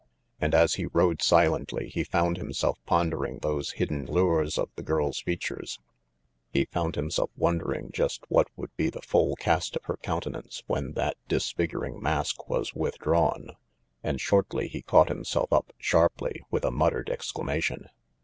And as he rode silently he found himself pondering those hidden lures of the girl's features; he found himself wonder ing just what would be the full cast of her counte nance when that disfiguring mask was withdrawn RANGY PETE 69 and shortly he caught himself up sharply with a muttered exclamation.